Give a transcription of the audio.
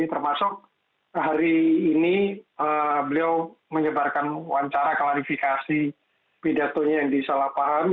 termasuk hari ini beliau menyebarkan wawancara klarifikasi pidatonya yang disalahpahami